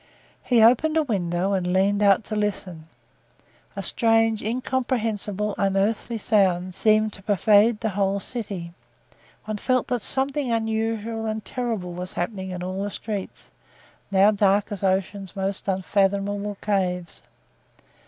He opened a window and leaned out to listen. A strange, incomprehensible, unearthly sound seemed to pervade the whole city; one felt that something unusual and terrible was happening in all the streets, now dark as ocean's most unfathomable caves.